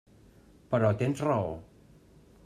Però tens raó.